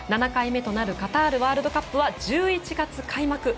７回目となるカタールワールドカップは１１月開幕。